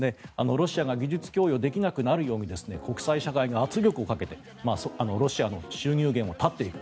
ロシアが技術供与できなくなるように国際社会が圧力をかけてロシアの収入減を断っていく。